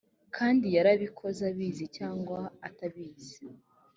kandi yarabikoze abizi cyangwa atabizi